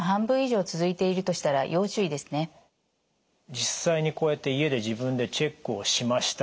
実際にこうやって家で自分でチェックをしました。